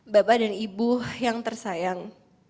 bapak dan ibu yang tersayang